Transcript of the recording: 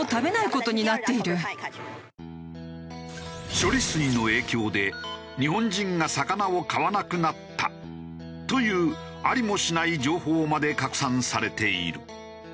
処理水の影響で日本人が魚を買わなくなったというありもしない情報まで拡散されている。